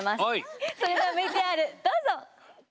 それではＶＴＲどうぞ！